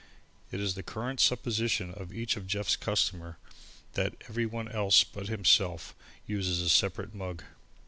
It is the current supposition of each of Jeff's customers that everyone else but himself uses a separate mug.